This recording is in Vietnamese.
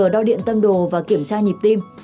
đo điện tâm đồ và kiểm tra nhịp tim